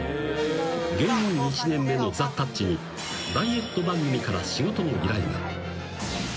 ［芸人１年目のザ・たっちにダイエット番組から仕事の依頼が］